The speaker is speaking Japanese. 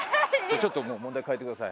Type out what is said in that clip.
ちょっともう問題変えてください。